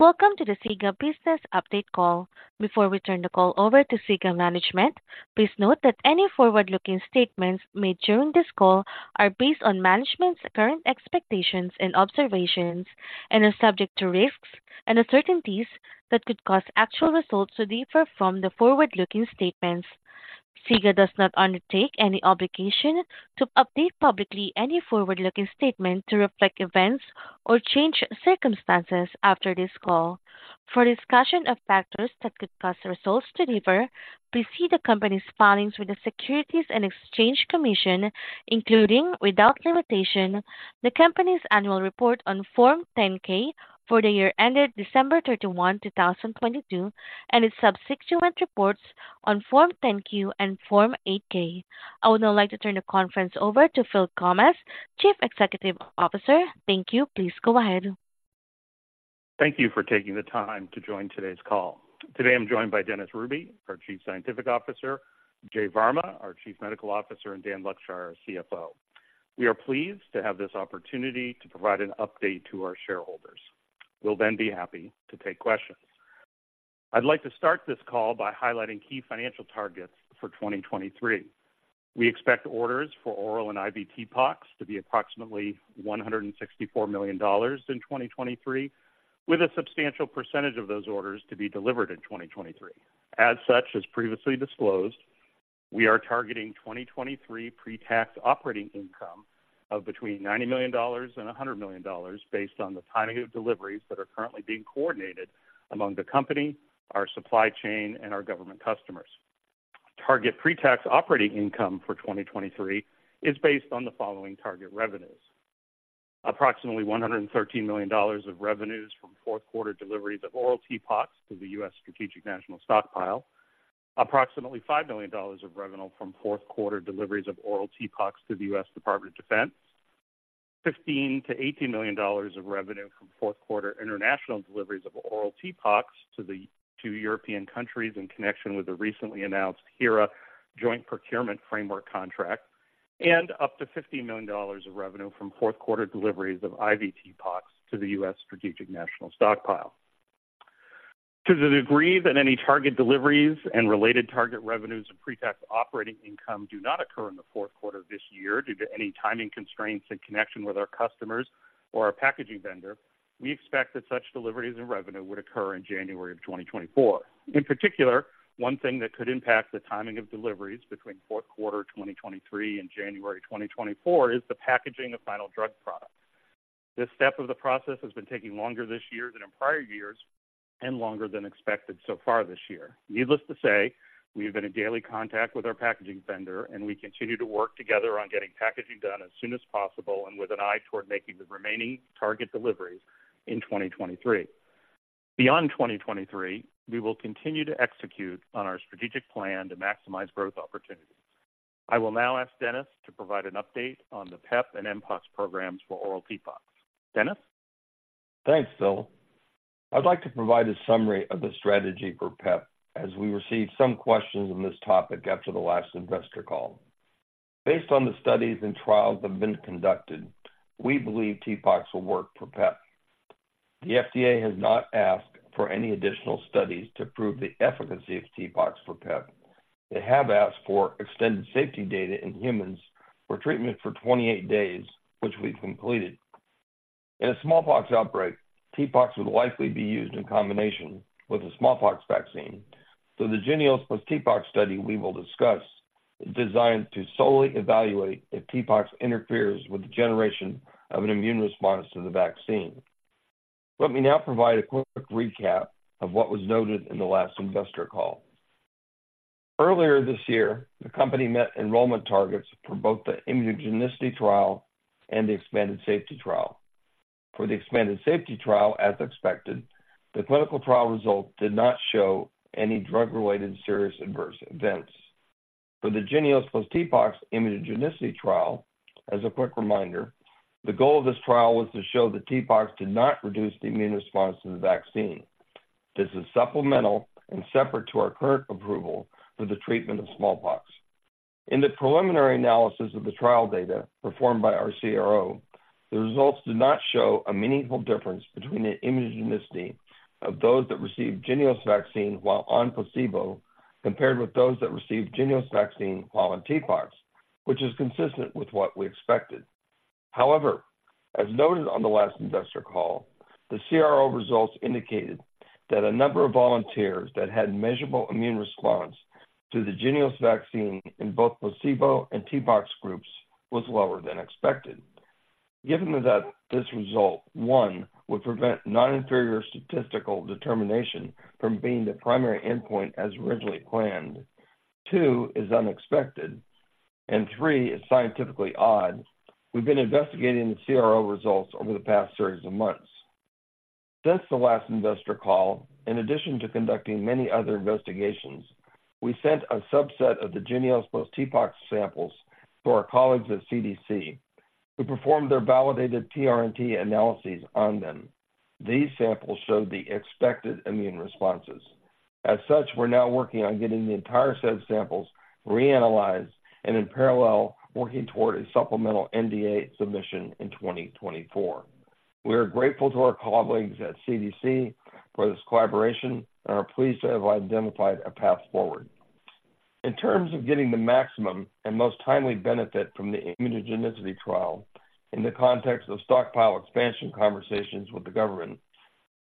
Welcome to the SIGA business update call. Before we turn the call over to SIGA management, please note that any forward-looking statements made during this call are based on management's current expectations and observations and are subject to risks and uncertainties that could cause actual results to differ from the forward-looking statements. SIGA does not undertake any obligation to update publicly any forward-looking statement to reflect events or change circumstances after this call. For a discussion of factors that could cause results to differ, please see the company's filings with the Securities and Exchange Commission, including, without limitation, the company's annual report on Form 10-K for the year ended December 31, 2022, and its subsequent reports on Form 10-Q and Form 8-K. I would now like to turn the conference over to Phil Gomez, Chief Executive Officer. Thank you. Please go ahead. Thank you for taking the time to join today's call. Today I'm joined by Dennis Hruby, our Chief Scientific Officer, Jay Varma, our Chief Medical Officer, and Dan Luckshire, our CFO. We are pleased to have this opportunity to provide an update to our shareholders. We'll then be happy to take questions. I'd like to start this call by highlighting key financial targets for 2023. We expect orders for oral and IV TPOXX to be approximately $164 million in 2023, with a substantial percentage of those orders to be delivered in 2023. As such, as previously disclosed, we are targeting 2023 pre-tax operating income of between $90 million and $100 million, based on the timing of deliveries that are currently being coordinated among the company, our supply chain, and our government customers. Target pre-tax operating income for 2023 is based on the following target revenues: approximately $113 million of revenues from fourth quarter deliveries of oral TPOXX to the U.S. Strategic National Stockpile. Approximately $5 million of revenue from fourth quarter deliveries of oral TPOXX to the U.S. Department of Defense. $15-$18 million of revenue from fourth quarter international deliveries of oral TPOXX to the two European countries in connection with the recently announced HERA Joint Procurement Framework contract. Up to $50 million of revenue from fourth quarter deliveries of IV TPOXX to the U.S. Strategic National Stockpile. To the degree that any target deliveries and related target revenues and pre-tax operating income do not occur in the fourth quarter of this year due to any timing constraints in connection with our customers or our packaging vendor, we expect that such deliveries and revenue would occur in January of 2024. In particular, one thing that could impact the timing of deliveries between fourth quarter 2023 and January 2024 is the packaging of final drug products. This step of the process has been taking longer this year than in prior years and longer than expected so far this year. Needless to say, we have been in daily contact with our packaging vendor, and we continue to work together on getting packaging done as soon as possible and with an eye toward making the remaining target deliveries in 2023. Beyond 2023, we will continue to execute on our strategic plan to maximize growth opportunities. I will now ask Dennis to provide an update on the PEP and mpox programs for oral TPOXX. Dennis? Thanks, Phil. I'd like to provide a summary of the strategy for PEP as we received some questions on this topic after the last investor call. Based on the studies and trials that have been conducted, we believe TPOXX will work for PEP. The FDA has not asked for any additional studies to prove the efficacy of TPOXX for PEP. They have asked for extended safety data in humans for treatment for 28 days, which we've completed. In a smallpox outbreak, TPOXX would likely be used in combination with a smallpox vaccine, so the JYNNEOS plus TPOXX study we will discuss is designed to solely evaluate if TPOXX interferes with the generation of an immune response to the vaccine. Let me now provide a quick recap of what was noted in the last investor call. Earlier this year, the company met enrollment targets for both the immunogenicity trial and the expanded safety trial. For the expanded safety trial, as expected, the clinical trial results did not show any drug-related serious adverse events. For the JYNNEOS plus TPOXX immunogenicity trial, as a quick reminder, the goal of this trial was to show that TPOXX did not reduce the immune response to the vaccine. This is supplemental and separate to our current approval for the treatment of smallpox. In the preliminary analysis of the trial data performed by our CRO, the results did not show a meaningful difference between the immunogenicity of those that received JYNNEOS vaccine while on placebo, compared with those that received JYNNEOS vaccine while on TPOXX, which is consistent with what we expected. However, as noted on the last investor call, the CRO results indicated that a number of volunteers that had measurable immune response to the JYNNEOS vaccine in both placebo and TPOXX groups was lower than expected. Given that this result, one, would prevent non-inferior statistical determination from being the primary endpoint as originally planned, two, is unexpected, and three, is scientifically odd, we've been investigating the CRO results over the past series of months. Since the last investor call, in addition to conducting many other investigations, we sent a subset of the JYNNEOS plus TPOXX samples to our colleagues at CDC, who performed their validated TRNT analyses on them. These samples showed the expected immune responses.... As such, we're now working on getting the entire set of samples reanalyzed and, in parallel, working toward a supplemental NDA submission in 2024. We are grateful to our colleagues at CDC for this collaboration and are pleased to have identified a path forward. In terms of getting the maximum and most timely benefit from the immunogenicity trial in the context of stockpile expansion conversations with the government,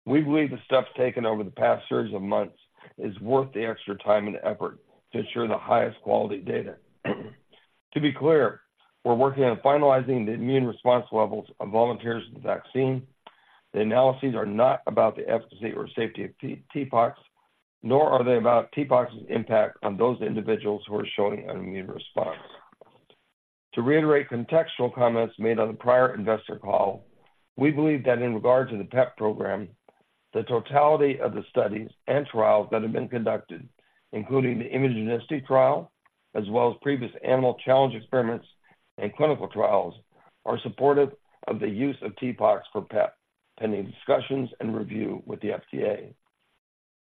we believe the steps taken over the past series of months is worth the extra time and effort to ensure the highest quality data. To be clear, we're working on finalizing the immune response levels of volunteers to the vaccine. The analyses are not about the efficacy or safety of TPOXX, nor are they about TPOXX's impact on those individuals who are showing an immune response. To reiterate contextual comments made on the prior investor call, we believe that in regard to the PEP program, the totality of the studies and trials that have been conducted, including the immunogenicity trial, as well as previous animal challenge experiments and clinical trials, are supportive of the use of TPOXX for PEP, pending discussions and review with the FDA.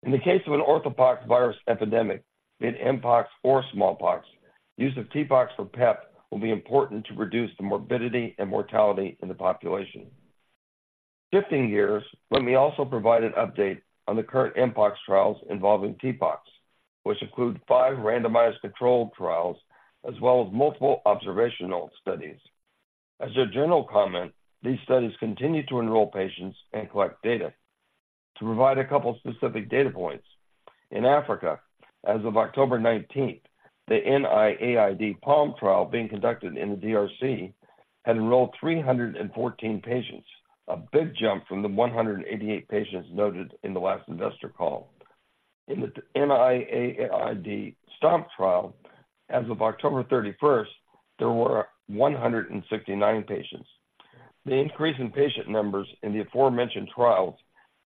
In the case of an orthopoxvirus epidemic, be it mpox or smallpox, use of TPOXX for PEP will be important to reduce the morbidity and mortality in the population. Shifting gears, let me also provide an update on the current mpox trials involving TPOXX, which include five randomized controlled trials as well as multiple observational studies. As a general comment, these studies continue to enroll patients and collect data. To provide a couple specific data points, in Africa, as of October 19, the NIAID PALM trial being conducted in the DRC had enrolled 314 patients, a big jump from the 188 patients noted in the last investor call. In the NIAID STOMP trial, as of October 31, there were 169 patients. The increase in patient numbers in the aforementioned trials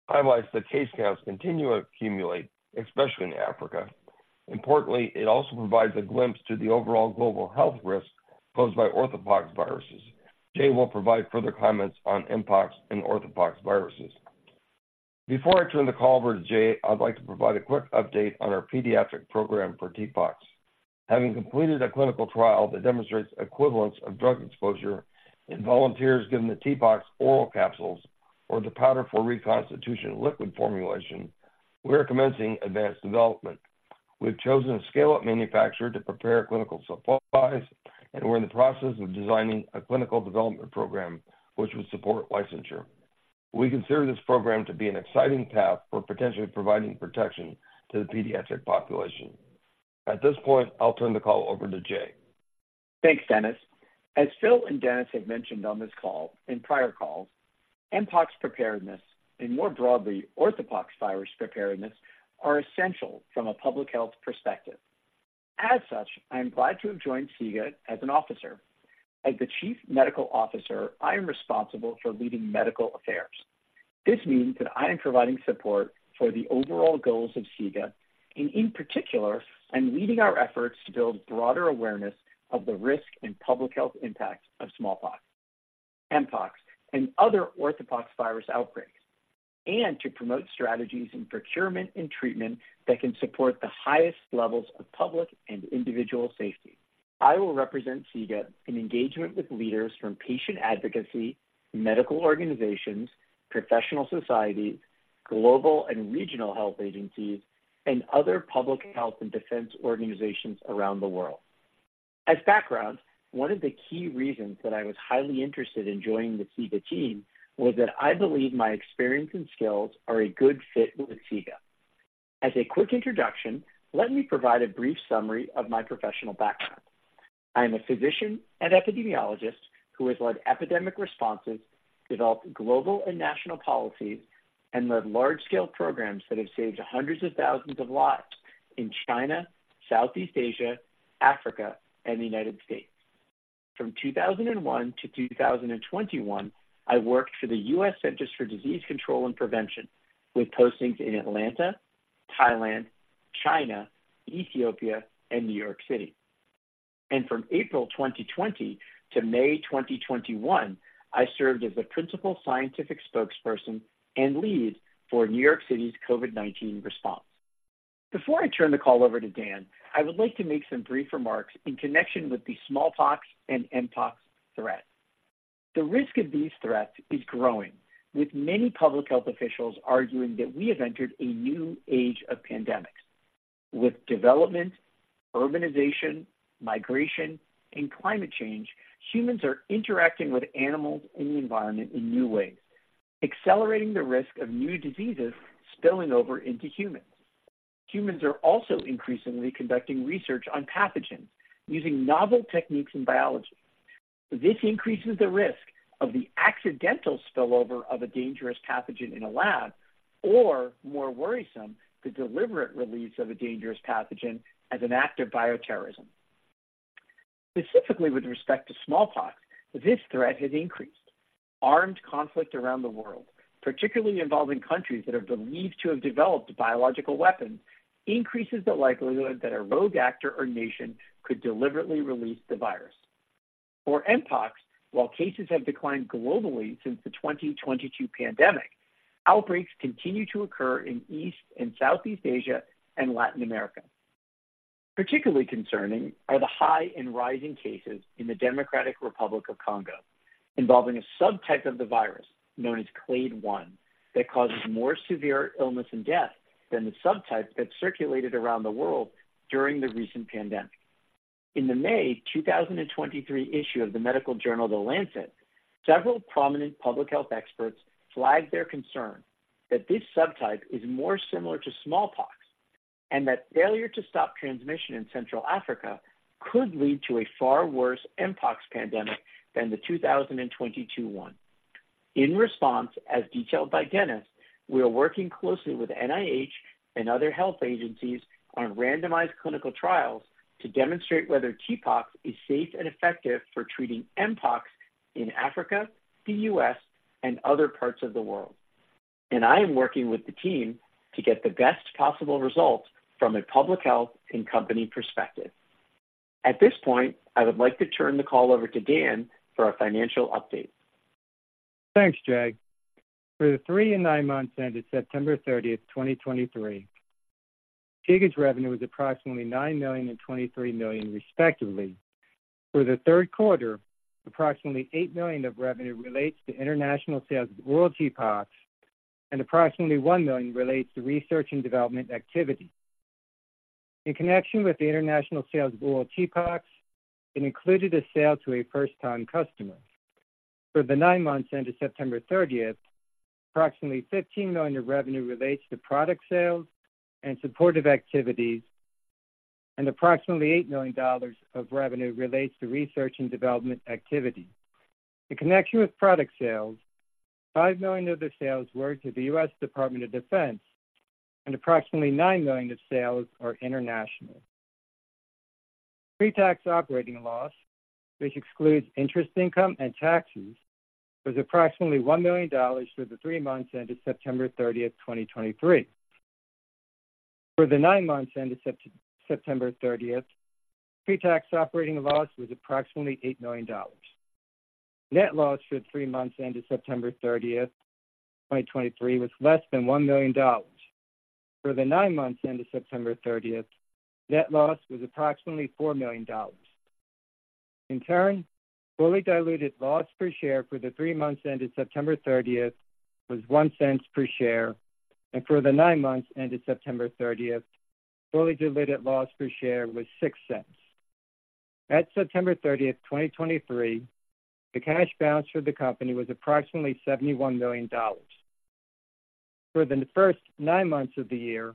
highlights that case counts continue to accumulate, especially in Africa. Importantly, it also provides a glimpse to the overall global health risk posed by orthopoxviruses. Jay will provide further comments on mpox and orthopoxviruses. Before I turn the call over to Jay, I'd like to provide a quick update on our pediatric program for TPOXX. Having completed a clinical trial that demonstrates equivalence of drug exposure in volunteers given the TPOXX oral capsules or the powder-for-reconstitution liquid formulation, we are commencing advanced development. We've chosen a scale-up manufacturer to prepare clinical supplies, and we're in the process of designing a clinical development program which would support licensure. We consider this program to be an exciting path for potentially providing protection to the pediatric population. At this point, I'll turn the call over to Jay. Thanks, Dennis. As Phil and Dennis have mentioned on this call and prior calls, mpox preparedness, and more broadly, orthopoxvirus preparedness, are essential from a public health perspective. As such, I am glad to have joined SIGA as an officer. As the Chief Medical Officer, I am responsible for leading medical affairs. This means that I am providing support for the overall goals of SIGA, and in particular, I'm leading our efforts to build broader awareness of the risk and public health impacts of smallpox, mpox, and other orthopoxvirus outbreaks, and to promote strategies in procurement and treatment that can support the highest levels of public and individual safety. I will represent SIGA in engagement with leaders from patient advocacy, medical organizations, professional societies, global and regional health agencies, and other public health and defense organizations around the world. As background, one of the key reasons that I was highly interested in joining the SIGA team was that I believe my experience and skills are a good fit with SIGA. As a quick introduction, let me provide a brief summary of my professional background. I am a physician and epidemiologist who has led epidemic responses, developed global and national policies, and led large-scale programs that have saved hundreds of thousands of lives in China, Southeast Asia, Africa, and the United States. From 2001 to 2021, I worked for the U.S. Centers for Disease Control and Prevention, with postings in Atlanta, Thailand, China, Ethiopia, and New York City. From April 2020 to May 2021, I served as the principal scientific spokesperson and lead for New York City's COVID-19 response. Before I turn the call over to Dan, I would like to make some brief remarks in connection with the smallpox and mpox threat. The risk of these threats is growing, with many public health officials arguing that we have entered a new age of pandemics. With development, urbanization, migration, and climate change, humans are interacting with animals and the environment in new ways, accelerating the risk of new diseases spilling over into humans. Humans are also increasingly conducting research on pathogens using novel techniques in biology. This increases the risk of the accidental spillover of a dangerous pathogen in a lab, or, more worrisome, the deliberate release of a dangerous pathogen as an act of bioterrorism. Specifically, with respect to smallpox, this threat has increased. Armed conflict around the world, particularly involving countries that are believed to have developed biological weapons, increases the likelihood that a rogue actor or nation could deliberately release the virus. For mpox, while cases have declined globally since the 2022 pandemic, outbreaks continue to occur in East and Southeast Asia and Latin America. Particularly concerning are the high and rising cases in the Democratic Republic of Congo, involving a subtype of the virus known as Clade I, that causes more severe illness and death than the subtype that circulated around the world during the recent pandemic. In the May 2023 issue of the medical journal, The Lancet, several prominent public health experts flagged their concern that this subtype is more similar to smallpox and that failure to stop transmission in Central Africa could lead to a far worse mpox pandemic than the 2022 one. In response, as detailed by Dennis, we are working closely with NIH and other health agencies on randomized clinical trials to demonstrate whether TPOXX is safe and effective for treating mpox in Africa, the U.S., and other parts of the world. I am working with the team to get the best possible results from a public health and company perspective. At this point, I would like to turn the call over to Dan for our financial update. Thanks, Jay. For the three and nine months ended September 30th, 2023, SIGA's revenue was approximately $9 million and $23 million, respectively. For the third quarter, approximately $8 million of revenue relates to international sales of oral TPOXX, and approximately $1 million relates to research and development activity. In connection with the international sales of oral TPOXX, it included a sale to a first-time customer. For the nine months ended September 30th, approximately $15 million of revenue relates to product sales and supportive activities, and approximately $8 million of revenue relates to research and development activity. In connection with product sales, $5 million of the sales were to the U.S. Department of Defense, and approximately $9 million of sales are international. Pre-tax operating loss, which excludes interest, income, and taxes, was approximately $1 million for the three months ended September 30th, 2023. For the nine months ended September 30th, pre-tax operating loss was approximately $8 million. Net loss for the three months ended September 30th, 2023, was less than $1 million. For the nine months ended September 30th, net loss was approximately $4 million. In turn, fully diluted loss per share for the three months ended September 30th was 1 cent per share, and for the nine months ended September 30th, fully diluted loss per share was 6 cents. At September 30th, 2023, the cash balance for the company was approximately $71 million. For the first nine months of the year,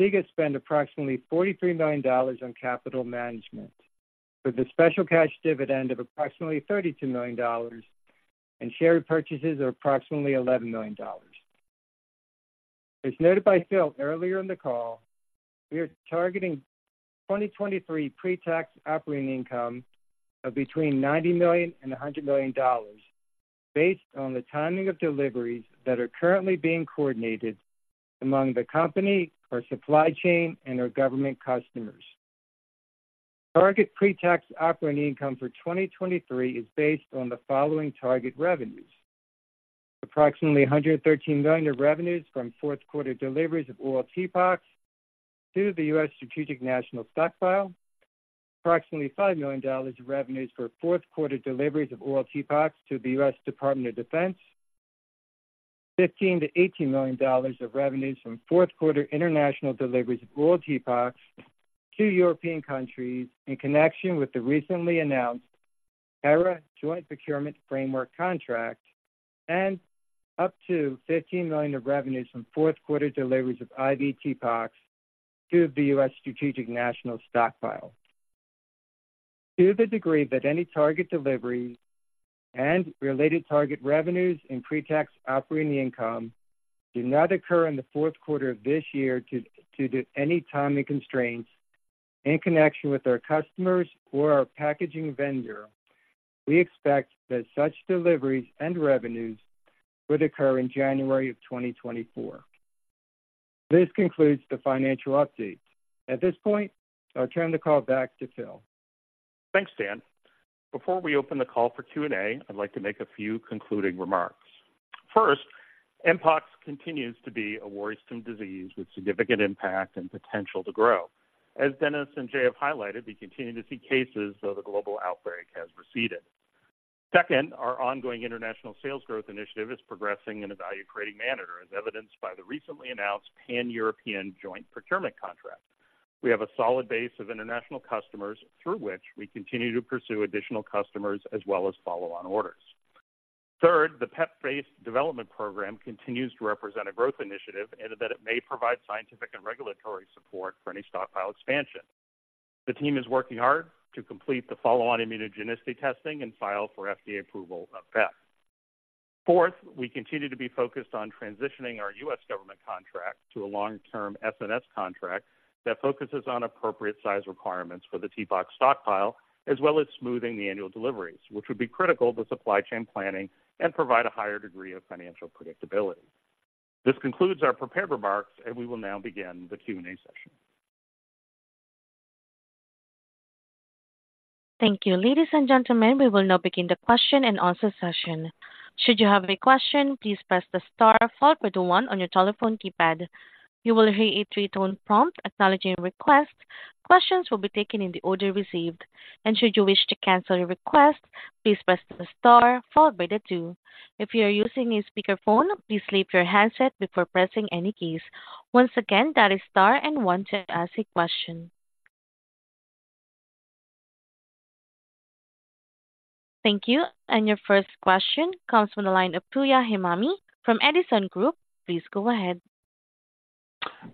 SIGA spent approximately $43 million on capital management, with a special cash dividend of approximately $32 million and share purchases of approximately $11 million. As noted by Phil earlier in the call, we are targeting 2023 pre-tax operating income of between $90 million and $100 million, based on the timing of deliveries that are currently being coordinated among the company, our supply chain, and our government customers. Target pre-tax operating income for 2023 is based on the following target revenues: approximately $113 million of revenues from fourth-quarter deliveries of oral TPOXX to the U.S. Strategic National Stockpile, approximately $5 million of revenues for fourth-quarter deliveries of oral TPOXX to the U.S. Department of Defense, $15-$18 million of revenues from fourth-quarter international deliveries of oral TPOXX to European countries in connection with the recently announced HERA Joint Procurement Framework contract, and up to $15 million of revenues from fourth-quarter deliveries of IV TPOXX to the U.S. Strategic National Stockpile. To the degree that any target deliveries and related target revenues and pre-tax operating income do not occur in the fourth quarter of this year, due to any timing constraints in connection with our customers or our packaging vendor, we expect that such deliveries and revenues would occur in January 2024. This concludes the financial update. At this point, I'll turn the call back to Phil. Thanks, Dan. Before we open the call for Q&A, I'd like to make a few concluding remarks. First, mpox continues to be a worrisome disease with significant impact and potential to grow. As Daniel and Jay have highlighted, we continue to see cases, though the global outbreak has receded. Second, our ongoing international sales growth initiative is progressing in a value-creating manner, as evidenced by the recently announced Pan-European Joint Procurement contract. We have a solid base of international customers through which we continue to pursue additional customers as well as follow-on orders. Third, the PEP-based development program continues to represent a growth initiative in that it may provide scientific and regulatory support for any stockpile expansion. The team is working hard to complete the follow-on immunogenicity testing and file for FDA approval of PEP. Fourth, we continue to be focused on transitioning our U.S. government contract to a long-term SNS contract that focuses on appropriate size requirements for the TPOXX stockpile, as well as smoothing the annual deliveries, which would be critical to supply chain planning and provide a higher degree of financial predictability. This concludes our prepared remarks, and we will now begin the Q&A session. Thank you. Ladies and gentlemen, we will now begin the question-and-answer session. Should you have a question, please press the star followed by the one on your telephone keypad. You will hear a three-tone prompt acknowledging your request. Questions will be taken in the order received, and should you wish to cancel your request, please press the star followed by the two. If you are using a speakerphone, please leave your handset before pressing any keys. Once again, that is star and one to ask a question. Thank you. Your first question comes from the line of Pooya Hemami from Edison Group. Please go ahead.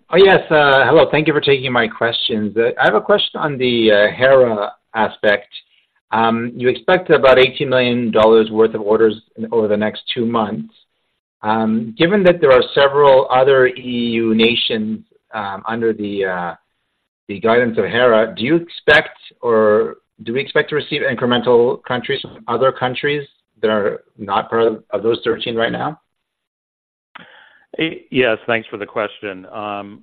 Oh, yes, hello. Thank you for taking my questions. I have a question on the HERA aspect. You expect about $18 million worth of orders over the next two months. Given that there are several other EU nations under the guidance of HERA, do you expect, or do we expect to receive incremental countries from other countries that are not part of those 13 right now? Yes, thanks for the question.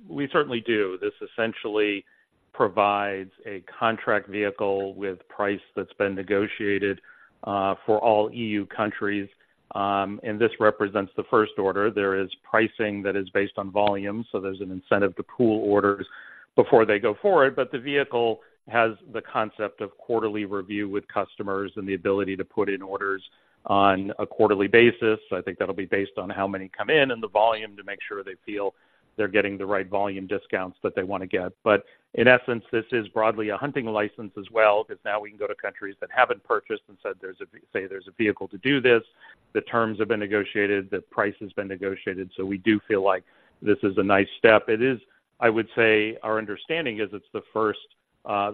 We certainly do. This essentially provides a contract vehicle with price that's been negotiated for all EU countries, and this represents the first order. There is pricing that is based on volume, so there's an incentive to pool orders before they go forward. But the vehicle has the concept of quarterly review with customers and the ability to put in orders on a quarterly basis. So I think that'll be based on how many come in and the volume to make sure they feel they're getting the right volume discounts that they want to get. But in essence, this is broadly a hunting license as well, because now we can go to countries that haven't purchased and said, there's a vehicle to do this. The terms have been negotiated, the price has been negotiated, so we do feel like this is a nice step. It is, I would say, our understanding is it's the first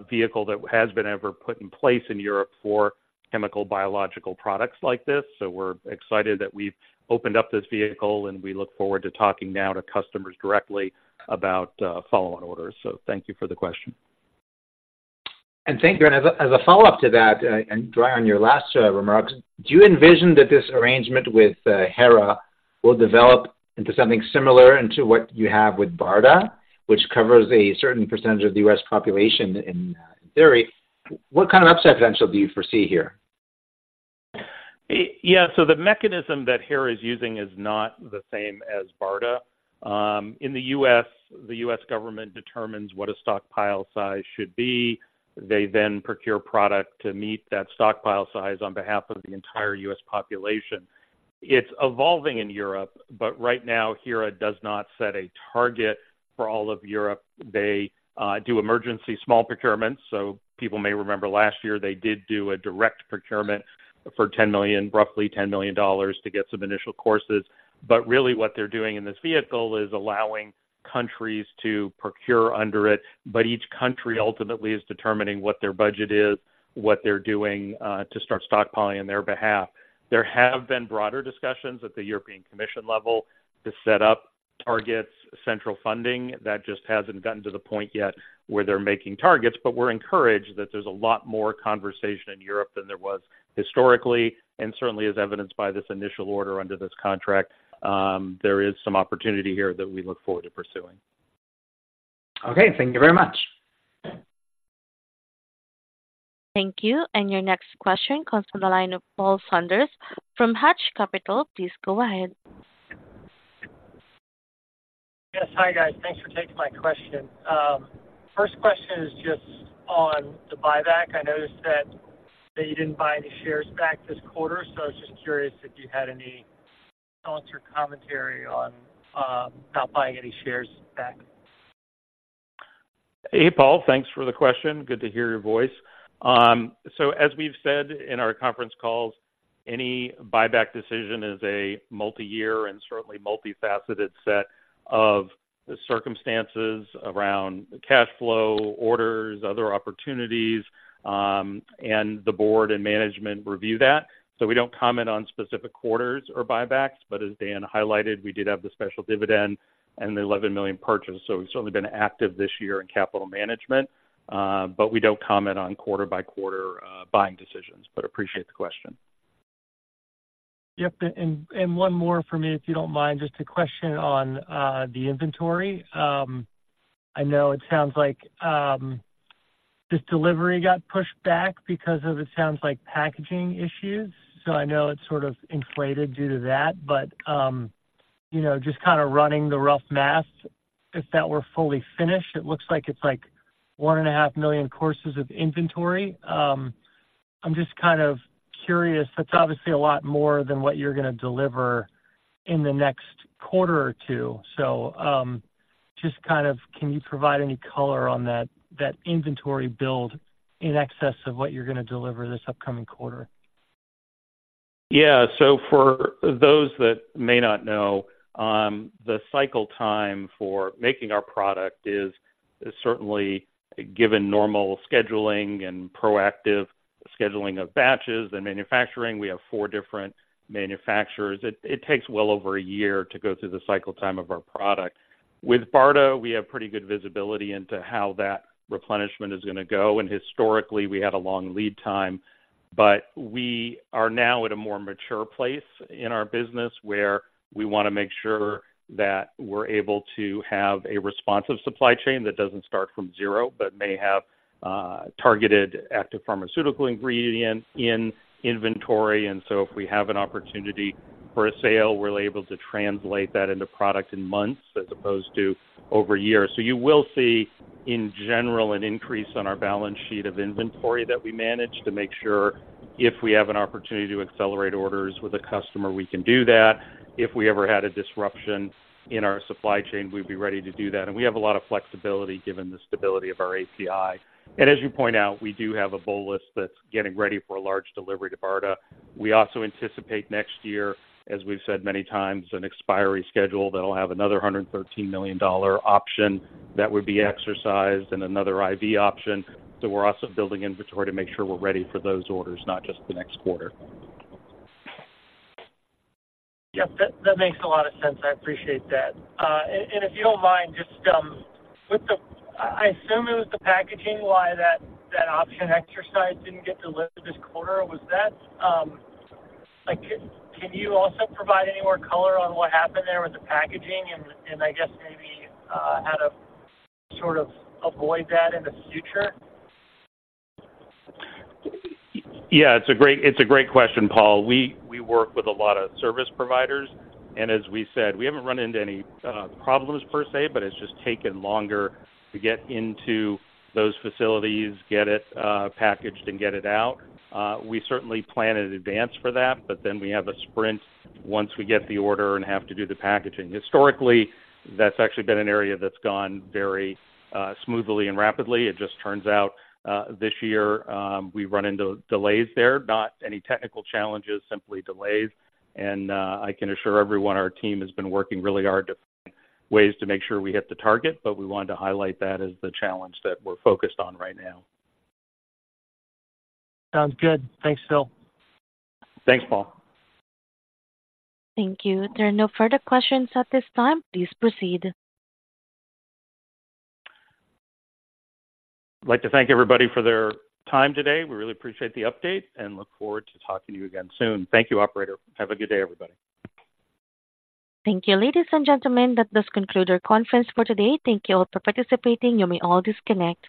vehicle that has been ever put in place in Europe for chemical biological products like this. So we're excited that we've opened up this vehicle, and we look forward to talking now to customers directly about follow-on orders. So thank you for the question. Thank you. As a follow-up to that, and drawing on your last remarks, do you envision that this arrangement with HERA will develop into something similar into what you have with BARDA, which covers a certain percentage of the U.S. population in theory? What kind of upside potential do you foresee here? Yeah, so the mechanism that HERA is using is not the same as BARDA. In the U.S., the U.S. government determines what a stockpile size should be. They then procure product to meet that stockpile size on behalf of the entire U.S. population. It's evolving in Europe, but right now, HERA does not set a target for all of Europe. They do emergency small procurements. So people may remember last year they did do a direct procurement for $10 million, roughly $10 million to get some initial courses. But really what they're doing in this vehicle is allowing countries to procure under it, but each country ultimately is determining what their budget is, what they're doing to start stockpiling on their behalf. There have been broader discussions at the European Commission level to set up targets, central funding. That just hasn't gotten to the point yet where they're making targets, but we're encouraged that there's a lot more conversation in Europe than there was historically, and certainly as evidenced by this initial order under this contract, there is some opportunity here that we look forward to pursuing. Okay, thank you very much. Thank you. And your next question comes from the line of Paul Saunders from Hutch Capital. Please go ahead. Yes. Hi, guys. Thanks for taking my question. First question is just on the buyback. I noticed that you didn't buy any shares back this quarter, so I was just curious if you had any thoughts or commentary on not buying any shares back. Hey, Paul. Thanks for the question. Good to hear your voice. So as we've said in our conference calls, any buyback decision is a multi-year and certainly multifaceted set of circumstances around cash flow, orders, other opportunities, and the board and management review that. So we don't comment on specific quarters or buybacks, but as Dan highlighted, we did have the special dividend and the $11 million purchase. So we've certainly been active this year in capital management, but we don't comment on quarter by quarter, buying decisions. But appreciate the question. Yep, and one more for me, if you don't mind. Just a question on the inventory. I know it sounds like this delivery got pushed back because of, it sounds like, packaging issues, so I know it's sort of inflated due to that. But you know, just kind of running the rough math, if that were fully finished, it looks like it's like 1.5 million courses of inventory. I'm just kind of curious. That's obviously a lot more than what you're going to deliver in the next quarter or two. So just kind of, can you provide any color on that, that inventory build in excess of what you're going to deliver this upcoming quarter? Yeah. So for those that may not know, the cycle time for making our product is certainly given normal scheduling and proactive scheduling of batches and manufacturing, we have four different manufacturers. It takes well over a year to go through the cycle time of our product. With BARDA, we have pretty good visibility into how that replenishment is going to go, and historically, we had a long lead time. But we are now at a more mature place in our business, where we want to make sure that we're able to have a responsive supply chain that doesn't start from zero, but may have targeted active pharmaceutical ingredient in inventory. And so if we have an opportunity for a sale, we're able to translate that into product in months as opposed to over years. So you will see, in general, an increase on our balance sheet of inventory that we manage to make sure if we have an opportunity to accelerate orders with a customer, we can do that. If we ever had a disruption in our supply chain, we'd be ready to do that. And we have a lot of flexibility given the stability of our API. And as you point out, we do have a bolus that's getting ready for a large delivery to BARDA. We also anticipate next year, as we've said many times, an exercise schedule that'll have another $113 million option that would be exercised and another IV option. So we're also building inventory to make sure we're ready for those orders, not just the next quarter. Yes, that makes a lot of sense. I appreciate that. If you don't mind, just with the... I assume it was the packaging why that option exercise didn't get delivered this quarter. Was that like, can you also provide any more color on what happened there with the packaging and I guess maybe how to sort of avoid that in the future? Yeah, it's a great, it's a great question, Paul. We, we work with a lot of service providers, and as we said, we haven't run into any, problems per se, but it's just taken longer to get into those facilities, get it, packaged and get it out. We certainly plan in advance for that, but then we have a sprint once we get the order and have to do the packaging. Historically, that's actually been an area that's gone very, smoothly and rapidly. It just turns out, this year, we've run into delays there. Not any technical challenges, simply delays. And, I can assure everyone our team has been working really hard to find ways to make sure we hit the target, but we wanted to highlight that as the challenge that we're focused on right now. Sounds good. Thanks, Phil. Thanks, Paul. Thank you. There are no further questions at this time. Please proceed. I'd like to thank everybody for their time today. We really appreciate the update and look forward to talking to you again soon. Thank you, operator. Have a good day, everybody. Thank you, ladies and gentlemen, that does conclude our conference for today. Thank you all for participating. You may all disconnect.